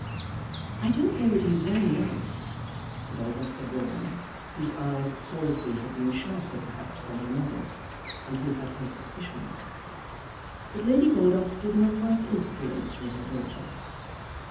"I don't know that he is very nice," said Augusta Boreham, whose eyes at Saulsby had been sharper perhaps than her mother's, and who had her suspicions. But Lady Baldock did not like interference from her daughter.